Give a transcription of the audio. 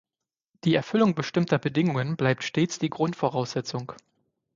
Die Erfüllung bestimmter Bedingungen bleibt stets die Grundvoraussetzung.